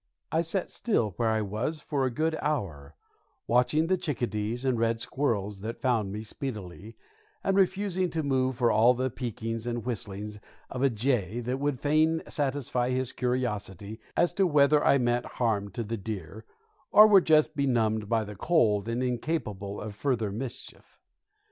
I sat still where I was for a good hour, watching the chickadees and red squirrels that found me speedily, and refusing to move for all the peekings and whistlings of a jay that would fain satisfy his curiosity as to whether I meant harm to the deer, or were just benumbed by the cold and incapable of further mischief.